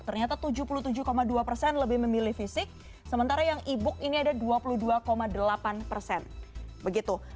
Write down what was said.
ternyata tujuh puluh tujuh dua persen lebih memilih fisik sementara yang e book ini ada dua puluh dua delapan persen begitu